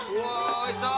おいしそう？